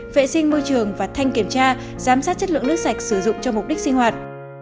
vệ sinh môi trường và thanh kiểm tra giám sát chất lượng nước sạch sử dụng cho mục đích sinh hoạt